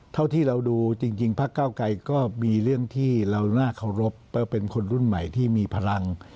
เท่าที่เราดูจริงพักเก้าไกรก็มีเรื่องที่เราน่าเคารพเพราะเป็นคนรุ่นใหม่ที่มีพลัง